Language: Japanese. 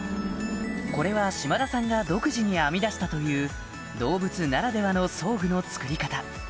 これは島田さんが独自に編み出したという動物ならではの装具の作り方